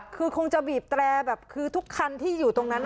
คือคงจะบีบแตรแบบคือทุกคันที่อยู่ตรงนั้น